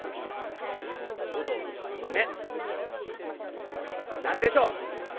おどおどしたその目！あんたあれでしょ！